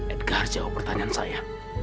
edgar jawab pertanyaan saya